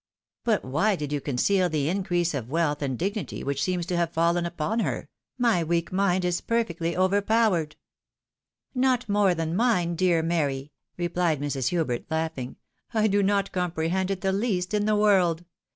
But why did you conceal the increase of wealth and dignity which seems to have fallen upon her? my weak mind is perfectly overpowered." INQUIRY INTO THE SOURCE OF THE WEALTH. 315 " Xot more than mine, dear Mary !" replied Mrs. Hubert, laughing; " I do not comprehend it the least in the world.